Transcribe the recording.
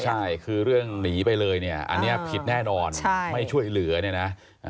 ใช่คือเรื่องหนีไปเลยเนี่ยอันนี้ผิดแน่นอนไม่ช่วยเหลือเนี่ยนะ